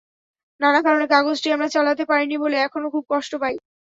নানা কারণে কাগজটি আমরা চালাতে পারিনি বলে এখনো খুব কষ্ট পাই।